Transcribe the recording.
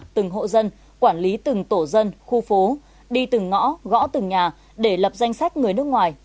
từng hộ dân quản lý từng tổ dân khu phố đi từng ngõ gõ từng nhà để lập danh sách người nước ngoài